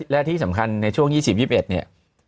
และที่สำคัญในช่วง๒๐๒๑เนี่ย